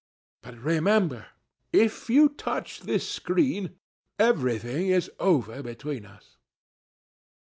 But, remember, if you touch this screen, everything is over between us."